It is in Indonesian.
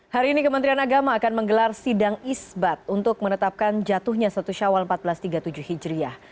hari ini kementerian agama akan menggelar sidang isbat untuk menetapkan jatuhnya satu syawal seribu empat ratus tiga puluh tujuh hijriah